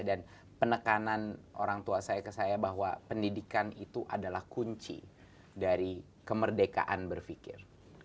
dan penekanan orang tua saya ke saya bahwa pendidikan itu adalah kunci dari kemerdekaan berpikir